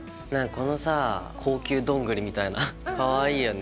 このさ高級どんぐりみたいなかわいいよね。